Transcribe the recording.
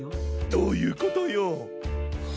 どういうことよ。